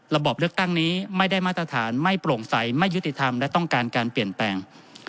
บอบเลือกตั้งนี้ไม่ได้มาตรฐานไม่โปร่งใสไม่ยุติธรรมและต้องการการเปลี่ยนแปลง